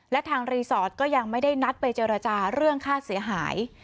และทางรีสอร์ทก็ยังไม่ได้นัดไปเจรจาเรื่องค่าเสียหาย